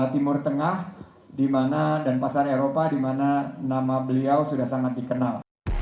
timur tengah di mana dan pasar eropa di mana nama beliau sudah sangat dikenal